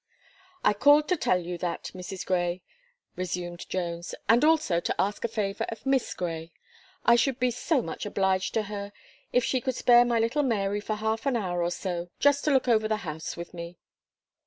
"I called to tell you that, Mrs. Gray," resumed Jones; "and, also, to ask a favour of Miss Gray. I should be so much obliged to 'her, if she could spare my little Mary for half an hour or so, just to look over the house with me."